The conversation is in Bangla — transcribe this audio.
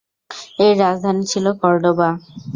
এর রাজধানী ছিল কর্ডোবা।